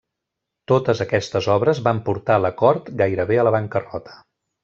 Totes aquestes obres van portar la cort gairebé a la bancarrota.